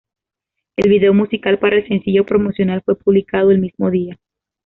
El video musical para el sencillo promocional fue publicado el mismo día.